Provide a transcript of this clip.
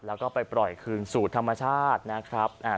แล้วก็ไปปล่อยคืนสู่ธรรมชาตินะครับ